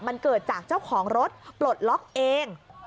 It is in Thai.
มันเกิดจากเจ้าของรถปลดล็อกเอง